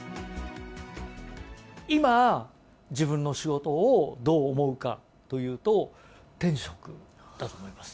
今、自分の仕事をどう思うかというと、天職だと思います。